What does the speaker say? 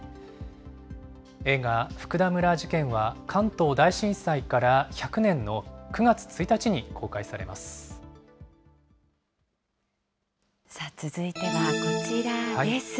映画、福田村事件は関東大震災から１００年の９月１日に公開続いてはこちらです。